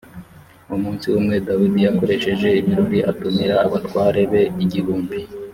umunsi umwe dawidi yakoresheje ibirori atumira abatware be igihumbi